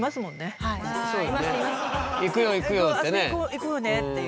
行こうねっていう。